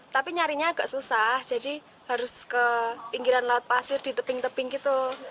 tapi nyarinya agak susah jadi harus ke pinggiran laut pasir di teping tebing gitu